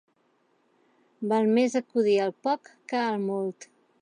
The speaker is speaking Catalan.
Val més acudir al poc que al molt.